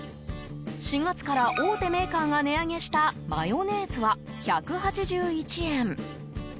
４月から大手メーカーが値上げしたマヨネーズは１８１円。